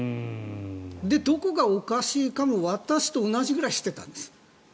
で、どこがおかしいかも私と同じぐらい知っていたんです